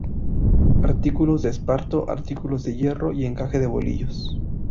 Artículos de esparto, artículos de hierro y encaje de bolillos.